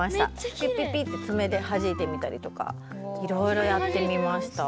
ピッピッピッてつめではじいてみたりとかいろいろやってみました。